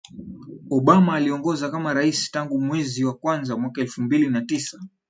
Obama aliongoza kama raisi tangu mwezi wa kwanza mwaka elfu mbili na tisa